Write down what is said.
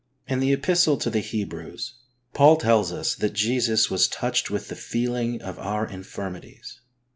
In the Epistle to the Hebrews, Paul tells us that Jesus was " touched with the feeling of our infirmities."